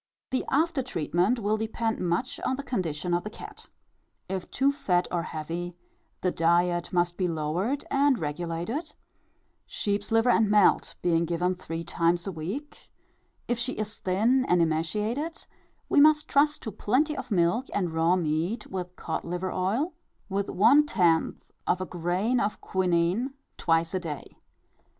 The after treatment will depend much on the condition of the cat. If too fat or heavy, the diet must be lowered and regulated, sheep's liver and melt being given three times a week; if she is thin and emaciated, we must trust to plenty of milk and raw meat, with cod liver oil, with one tenth of a grain of quinine, twice a day.